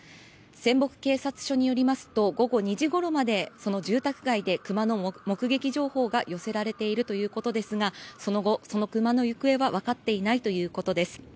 仙北警察署によりますと午後２時ごろまで、住宅街でクマの目撃情報が寄せられているということですがその後、クマの行方は分かっていないということです。